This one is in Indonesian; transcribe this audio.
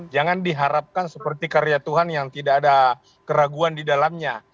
jangan diharapkan seperti karya tuhan yang tidak ada keraguan di dalamnya